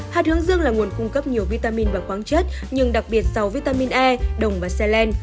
hạt hướng dương là nguồn cung cấp nhiều vitamin và khoáng chất nhưng đặc biệt sầu vitamin e đồng và selen